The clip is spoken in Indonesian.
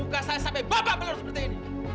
luka saya sampai babak belur seperti ini